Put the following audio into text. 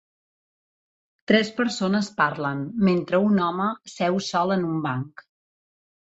Tres persones parlen, mentre un home seu sol en un banc.